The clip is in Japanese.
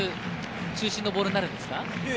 中心のボールになるんですか？